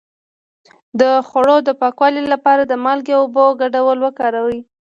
د خوړو د پاکوالي لپاره د مالګې او اوبو ګډول وکاروئ